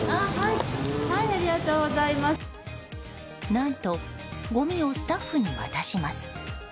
何とごみをスタッフに渡します。